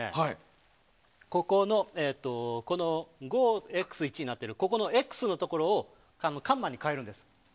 この５Ｘ１になっているＸのところをカンマに変えるんです。